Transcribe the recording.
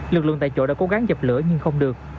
lực lượng tại chỗ đã cố gắng dập lửa nhưng không được